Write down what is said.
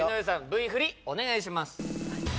Ｖフリお願いします